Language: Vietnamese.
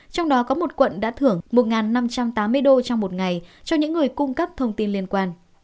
trong đó có một quận đã thưởng một năm trăm tám mươi đô trong một ngày cho những người cung cấp thông tin liên quan